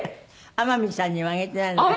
天海さんにはあげてないのかしら？